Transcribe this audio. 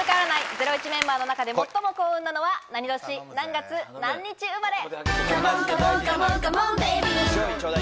『ゼロイチ』メンバーの中で最も幸運なのは何年、何月何日生まれ。